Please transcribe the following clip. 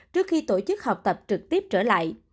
trước khi tổ chức học tập trực tiếp trở lại